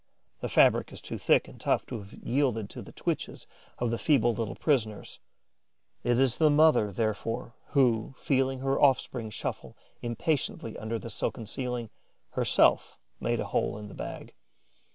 The fabric is too thick and tough to have yielded to the twitches of the feeble little prisoners. It was the mother, therefore, who, feeling her offspring shuffle impatiently under the silken ceiling, herself made a hole in the bag.